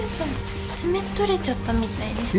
爪取れちゃったみたいです。